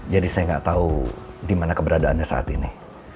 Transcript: jadi saya gak tahu di mana keberadaannya saat ini